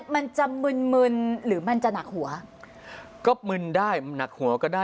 มันจะมึนมึนหรือมันจะหนักหัวก็มึนได้หนักหัวก็ได้